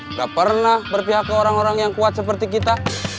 nggak pernah berpihak ke orang orang yang kuat seperti kita